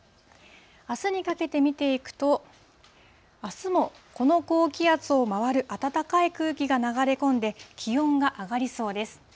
あすにかけて見ていくと、あすも、この高気圧を回る暖かい空気が流れ込んで気温が上がりそうです。